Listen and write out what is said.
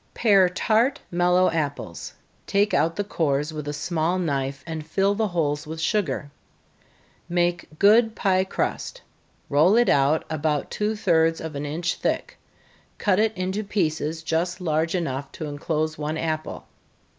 _ Pare tart, mellow apples take out the cores with a small knife, and fill the holes with sugar. Make good pie crust roll it out about two thirds of an inch thick, cut it into pieces just large enough to enclose one apple.